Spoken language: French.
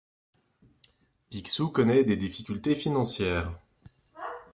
Picsou connaît des difficultés financières.